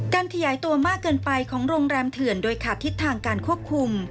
ขยายตัวมากเกินไปของโรงแรมเถื่อนโดยขาดทิศทางการควบคุม